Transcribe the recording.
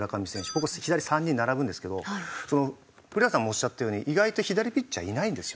ここ左３人並ぶんですけど古田さんもおっしゃったように意外と左ピッチャーいないんですよね。